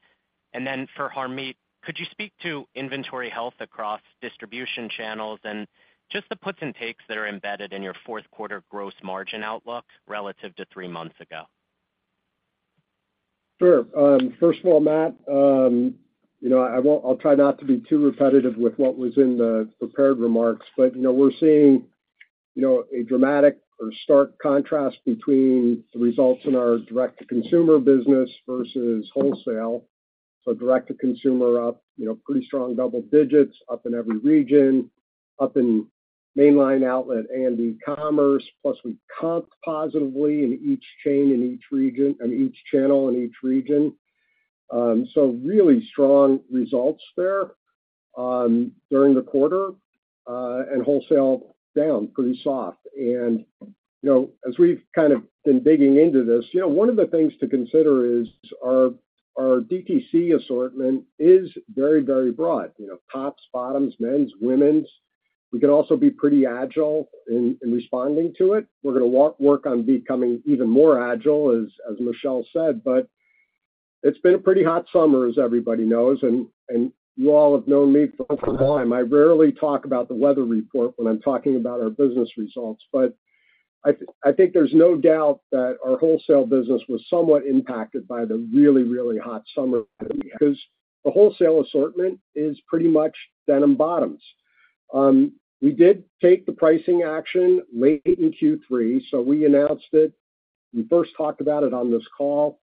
And then for Harmit, could you speak to inventory health across distribution channels and just the puts and takes that are embedded in your Q4 gross margin outlook relative to three months ago? Sure. First of all, Matt, you know, I won't-- I'll try not to be too repetitive with what was in the prepared remarks, but, you know, we're seeing, you know, a dramatic or stark contrast between the results in our direct-to-consumer business versus wholesale. Direct-to-consumer up, you know, pretty strong, double digits, up in every region, up in mainline outlet and e-commerce, plus we comped positively in each chain, in each region, and each channel in each region. You know, so really strong results there, during the quarter, and wholesale down, pretty soft. You know, as we've kind of been digging into this, you know, one of the things to consider is our, our DTC assortment is very, very broad. You know, tops, bottoms, men's, women's. We can also be pretty agile in, in responding to it. We're gonna work, work on becoming even more agile, as, as Michelle said, but it's been a pretty hot summer, as everybody knows, and, and you all have known me for a long time. I rarely talk about the weather report when I'm talking about our business results. But I, I think there's no doubt that our wholesale business was somewhat impacted by the really, really hot summer that we had, because the wholesale assortment is pretty much denim bottoms. We did take the pricing action late in Q3, so we announced it. We first talked about it on this call.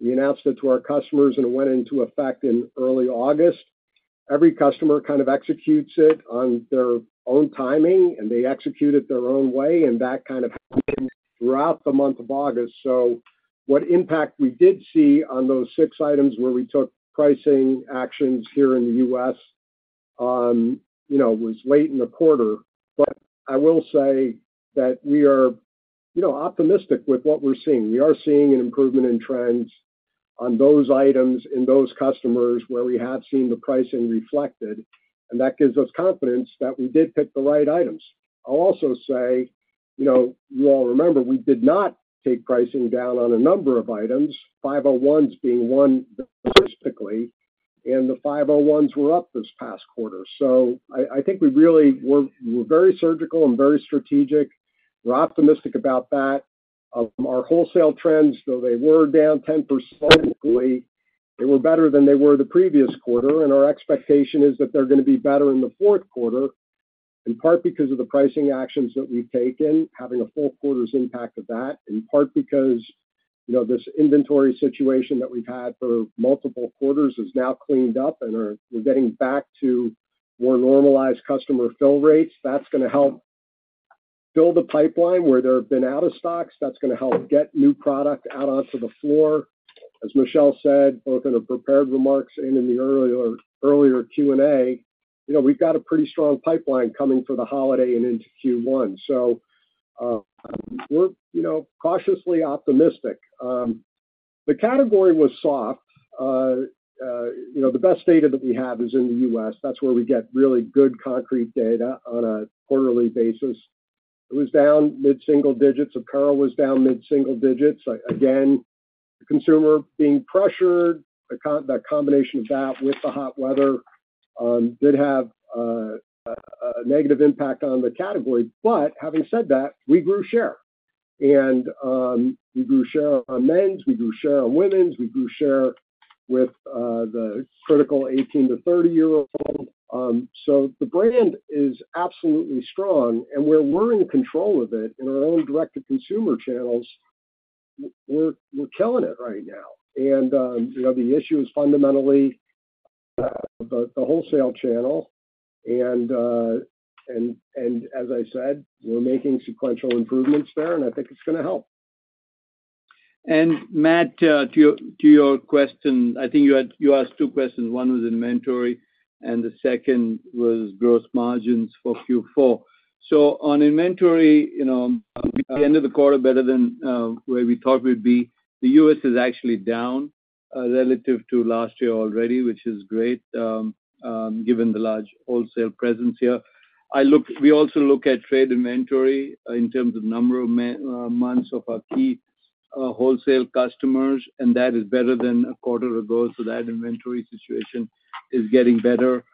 We announced it to our customers, and it went into effect in early August. Every customer kind of executes it on their own timing, and they execute it their own way, and that kind of happened throughout the month of August. So what impact we did see on those six items where we took pricing actions here in the U.S., you know, was late in the quarter. But I will say that we are, you know, optimistic with what we're seeing. We are seeing an improvement in trends on those items, in those customers where we have seen the pricing reflected, and that gives us confidence that we did pick the right items. I'll also say, you know, you all remember we did not take pricing down on a number of items, 501s being one, specifically, and the 501s were up this past quarter. So I think we really are very surgical and very strategic. We're optimistic about that. Our wholesale trends, though they were down 10% basically, they were better than they were the previous quarter, and our expectation is that they're gonna be better in the Q4.... in part because of the pricing actions that we've taken, having a full quarter's impact of that, in part because, you know, this inventory situation that we've had for multiple quarters is now cleaned up, and we're getting back to more normalized customer fill rates. That's gonna help build a pipeline where there have been out of stocks. That's gonna help get new product out onto the floor. As Michelle said, both in the prepared remarks and in the earlier, earlier Q&A, you know, we've got a pretty strong pipeline coming for the holiday and into Q1. So, we're, you know, cautiously optimistic. The category was soft. You know, the best data that we have is in the U.S. That's where we get really good concrete data on a quarterly basis. It was down mid-single digits. Apparel was down mid-single digits. Again, the consumer being pressured, the combination of that with the hot weather did have a negative impact on the category. But having said that, we grew share. And we grew share on men's, we grew share on women's, we grew share with the critical 18 to 30-year-olds. So the brand is absolutely strong, and we're in control of it. In our own direct-to-consumer channels, we're killing it right now. And you know, the issue is fundamentally the wholesale channel. And as I said, we're making sequential improvements there, and I think it's gonna help. And Matt, to your question, I think you had—you asked two questions. One was inventory, and the second was gross margins for Q4. So on inventory, you know, at the end of the quarter, better than where we thought we'd be. The U.S. is actually down relative to last year already, which is great, given the large wholesale presence here. We also look at trade inventory in terms of number of months of our key wholesale customers, and that is better than a quarter ago, so that inventory situation is getting better.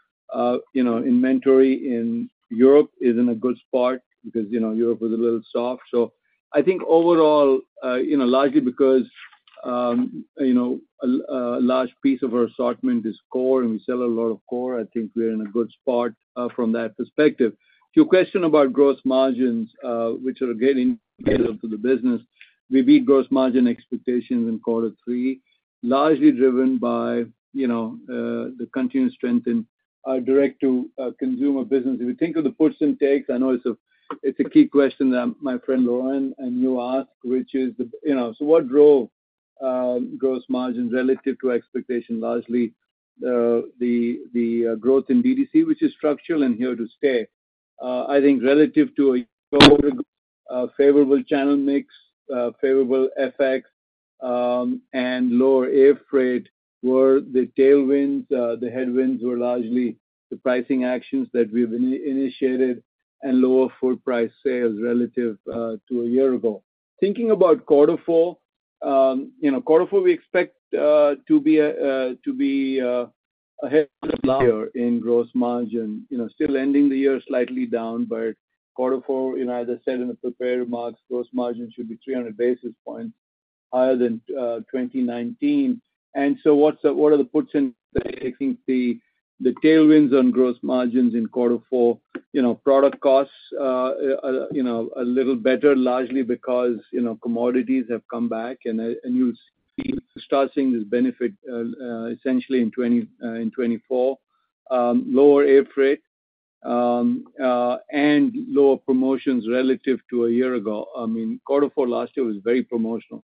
You know, inventory in Europe is in a good spot because, you know, Europe was a little soft. I think overall, you know, largely because, you know, a large piece of our assortment is core, and we sell a lot of core, I think we're in a good spot from that perspective. To your question about gross margins, which are getting to the business, we beat gross margin expectations in quarter three, largely driven by, you know, the continued strength in our direct to, you know, consumer business. If you think of the puts and takes, I know it's a key question that my friend Laurent and you ask, which is the, you know... So what drove, you know, gross margins relative to expectation? Largely, the growth in DTC, which is structural and here to stay. I think relative to a quarter ago, favorable channel mix, favorable FX, and lower air freight were the tailwinds. The headwinds were largely the pricing actions that we've initiated and lower full price sales relative to a year ago. Thinking about quarter four, you know, quarter four, we expect to be a hair lower in gross margin. You know, still ending the year slightly down, but quarter four, you know, as I said in the prepared remarks, gross margin should be 300 basis points higher than 2019. And so what's the- what are the puts and takes? I think the tailwinds on gross margins in quarter four, you know, product costs are, you know, a little better, largely because, you know, commodities have come back and and you'll start seeing this benefit, essentially in twenty, in 2024. Lower air freight, and lower promotions relative to a year ago. I mean, quarter four last year was very promotional.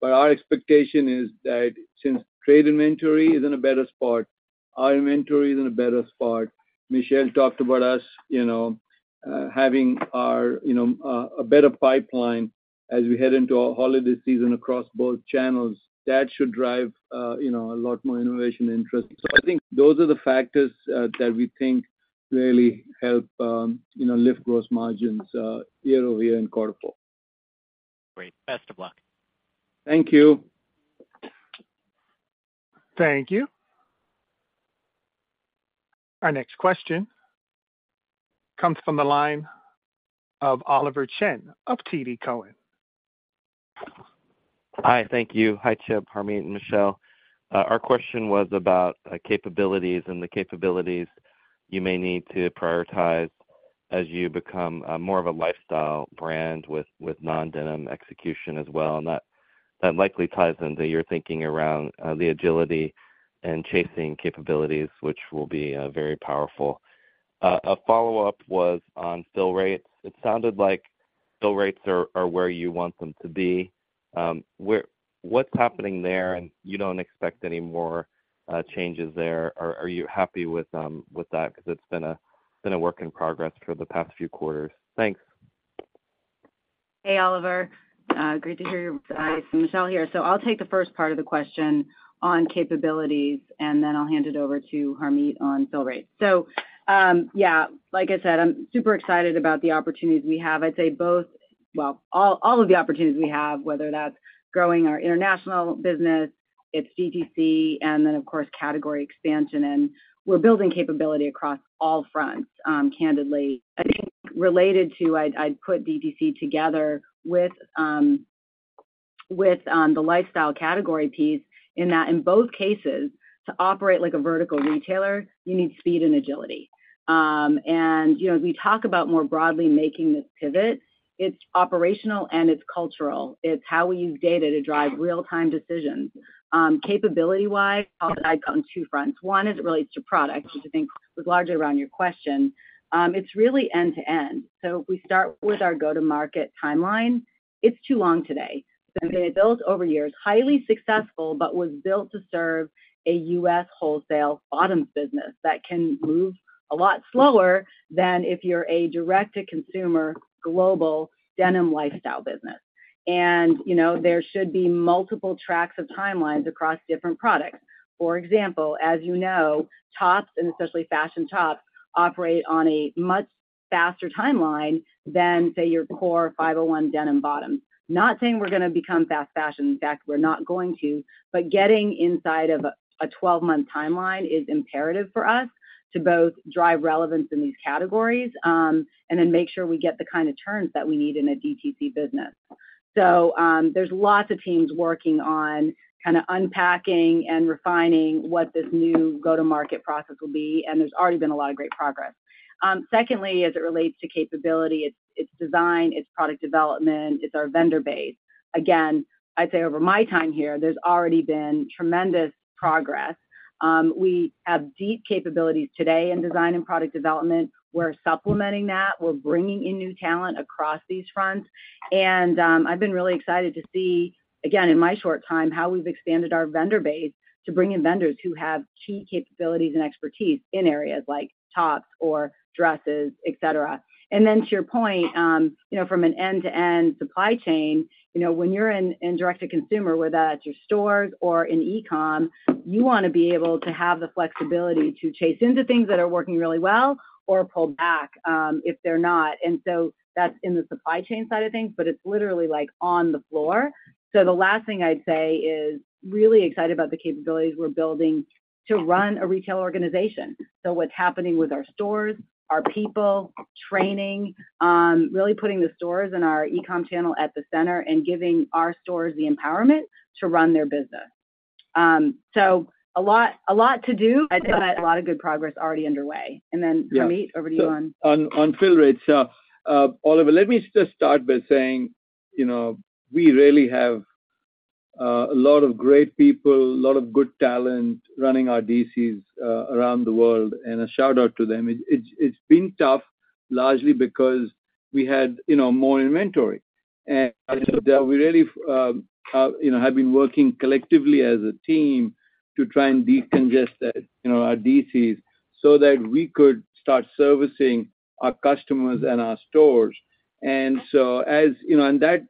But our expectation is that since trade inventory is in a better spot, our inventory is in a better spot. Michelle talked about us, you know, having our, you know, a better pipeline as we head into our holiday season across both channels. That should drive, you know, a lot more innovation interest. So I think those are the factors, that we think really help, you know, lift gross margins, year-over-year in quarter four. Great. Best of luck. Thank you. Thank you. Our next question comes from the line of Oliver Chen of TD Cowen. Hi. Thank you. Hi, Chip, Harmit, and Michelle. Our question was about capabilities and the capabilities you may need to prioritize as you become more of a lifestyle brand with non-denim execution as well, and that likely ties into your thinking around the agility and chasing capabilities, which will be very powerful. A follow-up was on fill rates. It sounded like fill rates are where you want them to be. Where... What's happening there, and you don't expect any more changes there? Or are you happy with that? Because it's been a work in progress for the past few quarters. Thanks. Hey, Oliver. Great to hear your voice. Michelle here. So I'll take the first part of the question on capabilities, and then I'll hand it over to Harmit on fill rates. So, yeah, like I said, I'm super excited about the opportunities we have. I'd say both... Well, all, all of the opportunities we have, whether that's growing our international business, it's DTC, and then, of course, category expansion, and we're building capability across all fronts, candidly. I think related to, I'd, I'd put DTC together with... with the lifestyle category piece, in that in both cases, to operate like a vertical retailer, you need speed and agility. And, you know, as we talk about more broadly making this pivot, it's operational and it's cultural. It's how we use data to drive real-time decisions. Capability-wise, I'll come on two fronts. One, as it relates to product, which I think was largely around your question. It's really end-to-end. If we start with our go-to-market timeline, it's too long today. It built over years, highly successful, but was built to serve a U.S. wholesale bottoms business that can move a lot slower than if you're a direct-to-consumer, global denim lifestyle business. You know, there should be multiple tracks of timelines across different products. For example, as you know, tops, and especially fashion tops, operate on a much faster timeline than, say, your core 501 denim bottom. Not saying we're gonna become fast fashion. In fact, we're not going to, but getting inside of a 12-month timeline is imperative for us to both drive relevance in these categories, you know, and then make sure we get the kind of turns that we need in a DTC business. So, there's lots of teams working on kinda unpacking and refining what this new go-to-market process will be, and there's already been a lot of great progress. Secondly, as it relates to capability, it's design, it's product development, it's our vendor base. Again, I'd say over my time here, there's already been tremendous progress. We have deep capabilities today in design and product development. We're supplementing that. We're bringing in new talent across these fronts, and, I've been really excited to see, again, in my short time, how we've expanded our vendor base to bring in vendors who have key capabilities and expertise in areas like tops or dresses, et cetera. To your point, you know, from an end-to-end supply chain, you know, when you're in direct to consumer, whether that's your stores or in e-com, you wanna be able to have the flexibility to chase into things that are working really well or pull back, if they're not. And so that's in the supply chain side of things, but it's literally, like, on the floor. So the last thing I'd say is, really excited about the capabilities we're building to run a retail organization. So what's happening with our stores, our people, training, really putting the stores and our e-com channel at the center and giving our stores the empowerment to run their business. So a lot, a lot to do, but a lot of good progress already underway. And then, Harmit- Yeah Over to you on. On fill rates. Oliver, let me just start by saying, you know, we really have a lot of great people, a lot of good talent running our DCs around the world, and a shout-out to them. It's been tough, largely because we had, you know, more inventory. And, you know, we really have been working collectively as a team to try and decongest that, you know, our DCs, so that we could start servicing our customers and our stores. And so as... You know, and that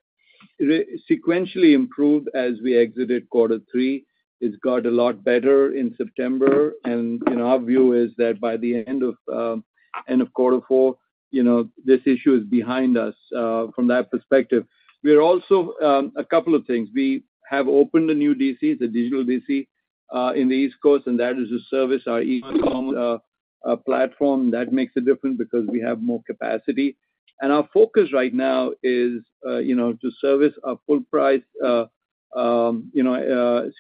re-sequentially improved as we exited quarter three. It's got a lot better in September, and, you know, our view is that by the end of quarter four, you know, this issue is behind us from that perspective. We are also a couple of things. We have opened a new DC, the digital DC, in the East Coast, and that is to service our e-com platform. That makes a difference because we have more capacity. Our focus right now is, you know, to service our full price, you know,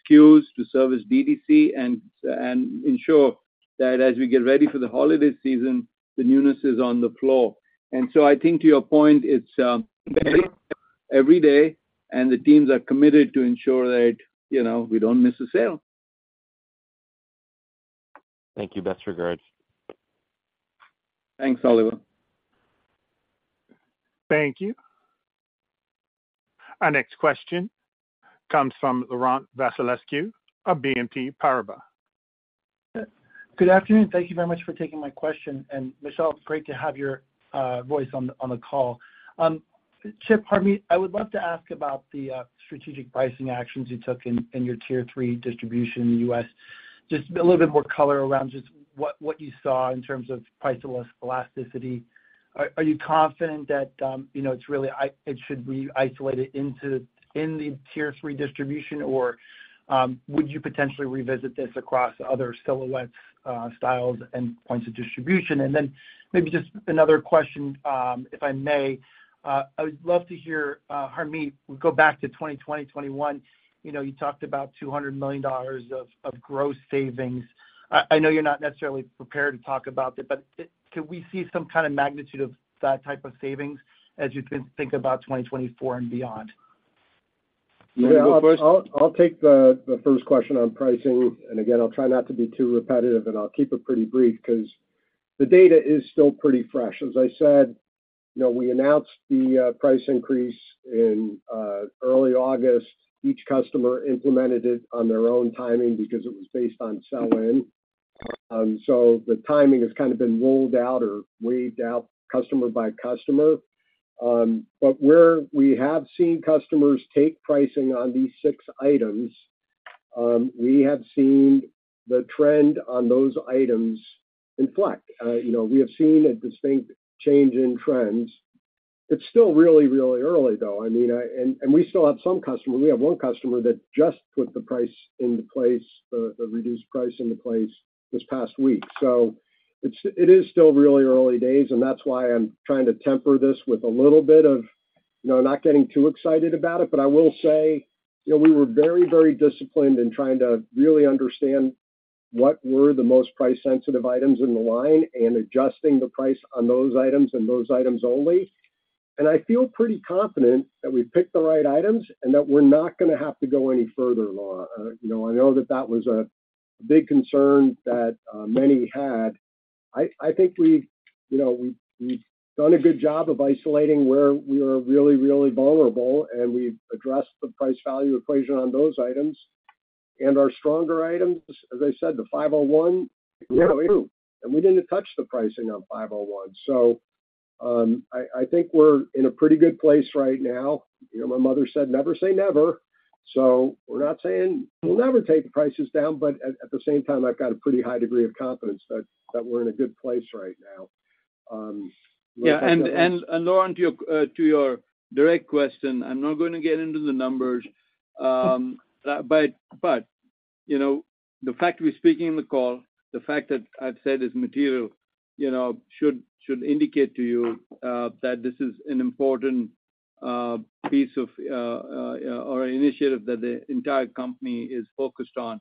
SKUs, to service DDC and, and ensure that as we get ready for the holiday season, the newness is on the floor. So I think to your point, it's better every day, and the teams are committed to ensure that, you know, we don't miss a sale. Thank you. Best regards. Thanks, Oliver. Thank you. Our next question comes from Laurent Vasilescu of BNP Paribas. Good afternoon. Thank you very much for taking my question. And Michelle, great to have your voice on the call. Chip, Harmit, I would love to ask about the strategic pricing actions you took in your tier three distribution in the US. Just a little bit more color around just what you saw in terms of price elasticity. Are you confident that you know, it's really it should be isolated into the tier three distribution, or would you potentially revisit this across other silhouettes, styles and points of distribution? And then maybe just another question, if I may. I would love to hear, Harmit, go back to 2020, 2021. You know, you talked about $200 million of gross savings. I know you're not necessarily prepared to talk about it, but, could we see some kind of magnitude of that type of savings as you think about 2024 and beyond? You wanna go first? Yeah, I'll take the first question on pricing, and again, I'll try not to be too repetitive, and I'll keep it pretty brief because the data is still pretty fresh. As I said, you know, we announced the price increase in early August. Each customer implemented it on their own timing because it was based on sell-in. So the timing has kinda been rolled out or waved out customer by customer. But where we have seen customers take pricing on these six items, we have seen the trend on those items inflect. You know, we have seen a distinct change in trends. It's still really, really early though. I mean, and we still have some customers, we have one customer that just put the price into place, the reduced price into place this past week. So it's still really early days, and that's why I'm trying to temper this with a little bit of, you know, not getting too excited about it. But I will say, you know, we were very, very disciplined in trying to really understand what were the most price-sensitive items in the line and adjusting the price on those items and those items only. And I feel pretty confident that we picked the right items and that we're not gonna have to go any further, Laurent. You know, I know that that was a big concern that many had. I think we've, you know, we've done a good job of isolating where we are really, really vulnerable, and we've addressed the price value equation on those items. Our stronger items, as I said, the 501, and we didn't touch the pricing on 501. So, I think we're in a pretty good place right now. You know, my mother said, "Never say never." So we're not saying we'll never take the prices down, but at the same time, I've got a pretty high degree of confidence that we're in a good place right now. Yeah, and Laurent, to your direct question, I'm not going to get into the numbers. But you know, the fact we're speaking on the call, the fact that I've said it's material, you know, should indicate to you that this is an important piece or initiative that the entire company is focused on.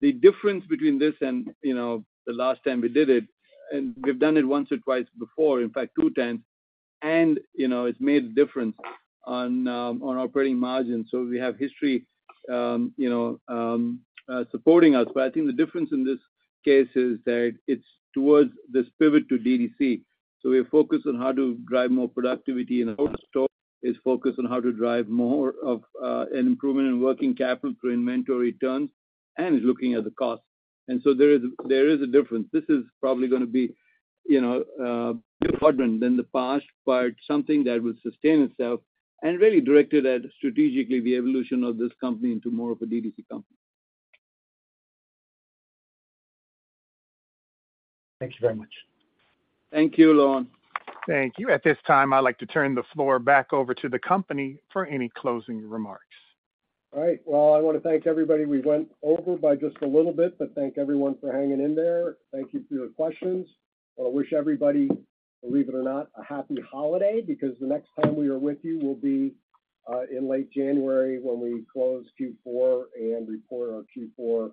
The difference between this and, you know, the last time we did it, and we've done it once or twice before, in fact, two times, and you know, it's made a difference on operating margins. So we have history, you know, supporting us. But I think the difference in this case is that it's towards this pivot to DTC. So we're focused on how to drive more productivity, and our store is focused on how to drive more of, an improvement in working capital through inventory turns and is looking at the cost. And so there is, there is a difference. This is probably gonna be, you know, different than the past, but something that will sustain itself and really directed at, strategically, the evolution of this company into more of a DTC company. Thank you very much. Thank you, Laurent. Thank you. At this time, I'd like to turn the floor back over to the company for any closing remarks. All right. Well, I wanna thank everybody. We went over by just a little bit, but thank everyone for hanging in there. Thank you for your questions. I wish everybody, believe it or not, a happy holiday, because the next time we are with you will be in late January, when we close Q4 and report our Q4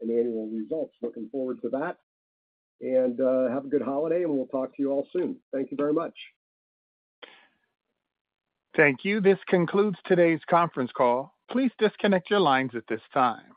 and annual results. Looking forward to that, and have a good holiday, and we'll talk to you all soon. Thank you very much. Thank you. This concludes today's conference call. Please disconnect your lines at this time.